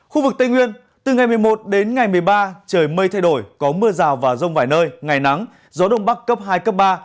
khu vực tây nguyên từ ngày một mươi một đến ngày một mươi ba trời mây thay đổi có mưa rào và rông vài nơi ngày nắng gió đông bắc cấp hai cấp ba